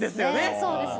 そうですね。